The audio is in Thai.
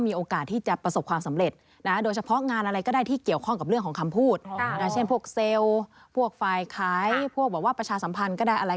มีราศรีไหนไหมครับที่จะต้องระวังเรื่องของการงานในช่วงเวลานี้